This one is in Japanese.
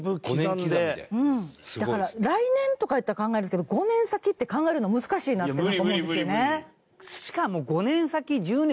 だから来年とかやったら考えるんですけど５年先って考えるの難しいなって思うんですよね。